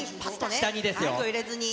下にです。